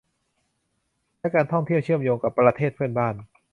และการท่องเที่ยวเชื่อมโยงกับประเทศเพื่อนบ้าน